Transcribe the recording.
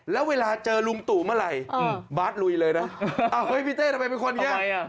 แล้วเวลาเจอลุงตู่มาลัยบาทลุยเลยนะอ้าวพี่เต้ทำไมเป็นคนแก